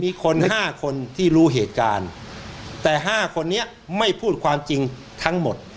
มีคนห้าคนที่รู้เหตุการณ์แต่ห้าคนนี้ไม่พูดความจริงทั้งหมด